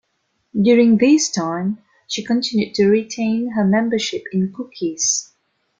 During this time, she continued to retain her membership in Cookies.